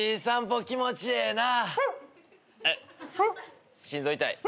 うっ心臓痛い。